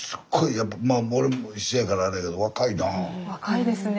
やっぱり俺も一緒やからあれやけど若いですね。